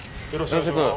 よろしくお願いします。